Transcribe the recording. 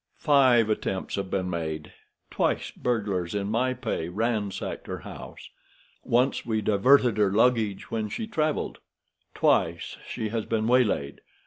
"Five attempts have been made. Twice burglars in my pay ransacked her house. Once we diverted her luggage when she traveled. Twice she has been waylaid.